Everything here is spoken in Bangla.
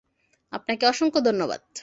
আপনাকে অনেক ধন্যবাদ।